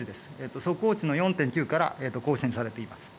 速報値の４．９から更新されています。